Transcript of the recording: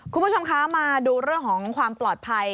คุณผู้ชมคะมาดูเรื่องของความปลอดภัย